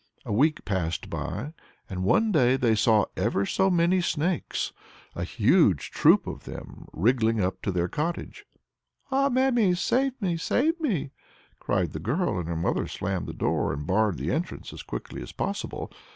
A week passed by, and one day they saw ever so many snakes, a huge troop of them, wriggling up to their cottage. "Ah, mammie, save me, save me!" cried the girl, and her mother slammed the door and barred the entrance as quickly as possible.